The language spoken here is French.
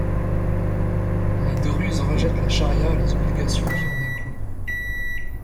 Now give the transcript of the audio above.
Les Druzes rejettent la charia et les obligations qui en découlent.